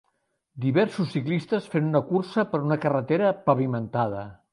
Diversos ciclistes fent una cursa per una carretera pavimentada.